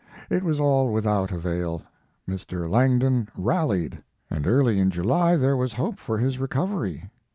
It was all without avail. Mr. Langdon rallied, and early in July there was hope for his recovery.